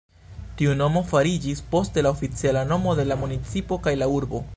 Tiu nomo fariĝis poste la oficiala nomo de la municipo kaj la urbo.